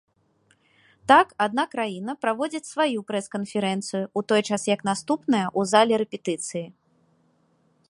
Так, адна краіна праводзіць сваю прэс-канферэнцыю, у той час як наступная ў зале рэпетыцыі.